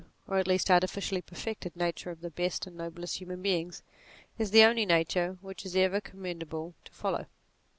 or at least artificially perfected nature of the best and noblest human beings, is the only nature which it is ever com mendable to follow.